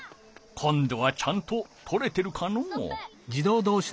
今度はちゃんととれてるかのう？